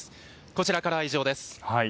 こちらからは以上です。